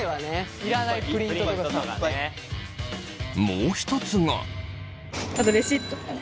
もう一つが。